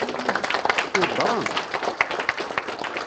Tweddṛem-t?